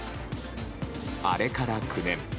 あれから９年。